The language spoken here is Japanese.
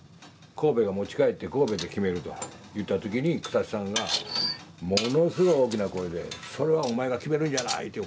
神戸が持ち帰って神戸で決めると言った時に草地さんがものすごい大きな声でそれはお前が決めるんじゃない！